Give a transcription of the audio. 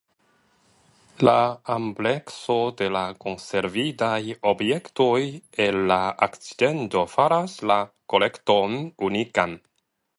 La amplekso de la konservitaj objektoj el la akcidento faras la kolekton unikan.